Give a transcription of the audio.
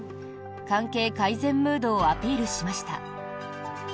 関係改善ムードをアピールしました。